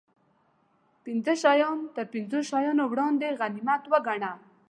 پنځه شیان تر پنځو شیانو وړاندې غنیمت و ګڼه